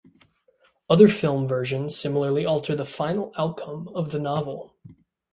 Other film versions similarly alter the final outcome of the novel.